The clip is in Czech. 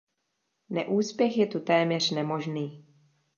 Neúspěch je tu téměř nemožný.